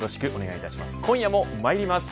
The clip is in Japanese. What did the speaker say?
今夜もまいります。